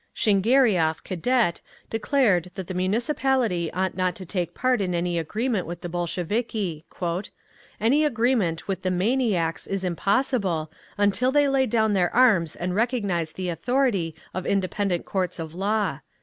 Shingariov, Cadet, declared that the Municipality ought not to take part in any agreement with the Bolsheviki…. "Any agreement with the maniacs is impossible until they lay down their arms and recognise the authority of independent courts of law…."